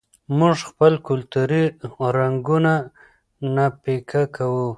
موږ خپل کلتوري رنګونه نه پیکه کوو.